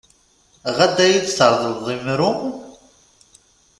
Ɣad ad yi-d-tṛeḍleḍ imru-m?